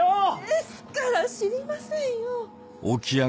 ですから知りませんよ！